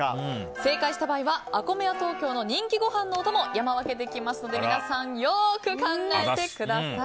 正解した場合はＡＫＯＭＥＹＡＴＯＫＹＯの人気ご飯のお供山分けできますので皆さん、よく考えてください。